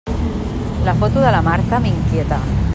La foto de la Marta m'inquieta.